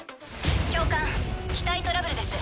教官機体トラブルです。